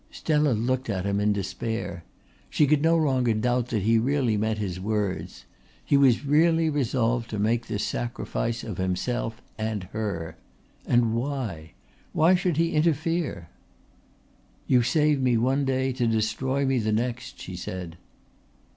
Stella looked at him in despair. She could no longer doubt that he really meant his words. He was really resolved to make this sacrifice of himself and her. And why? Why should he interfere? "You save me one day to destroy me the next," she said.